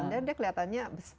dan dia kelihatannya memang sehat